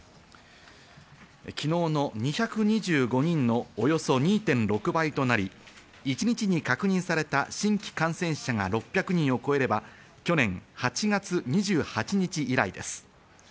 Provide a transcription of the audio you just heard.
昨日の２２５人のおよそ２．６倍となり、一日に確認された新規感染者が６００人を超えれば去年８月２８日以来です。